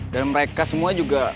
dan mereka semua juga